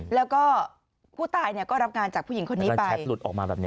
แล้วก็ผู้ตายก็รับงานจากผู้หญิงคนนี้ไป